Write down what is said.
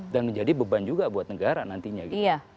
dan menjadi beban juga buat negara nantinya gitu